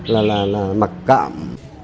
là là là mặc cảm